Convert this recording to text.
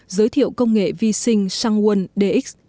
giới thiệu công nghệ vi sinh sungwoon dx